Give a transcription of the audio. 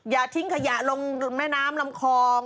อย่าทิ้งขยะลงแม่น้ำลำคลอง